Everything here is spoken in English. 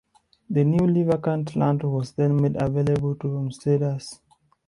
The newly vacant land was then made available to homesteaders.